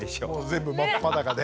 全部真っ裸で。